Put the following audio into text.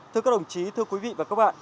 thưa các đồng chí thưa quý vị và các bạn